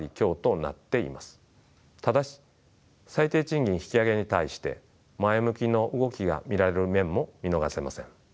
ただし最低賃金引き上げに対して前向きの動きが見られる面も見逃せません。